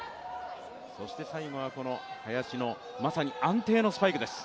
最後は林の、まさに安定のスパイクです。